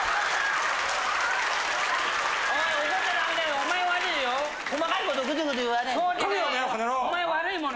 お前悪いもの。